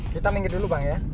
kita minggir dulu bang ya